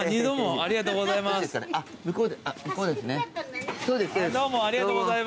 ありがとうございます。頑張って。